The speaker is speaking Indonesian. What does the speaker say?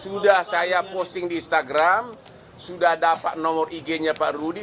sudah saya posting di instagram sudah dapat nomor ig nya pak rudi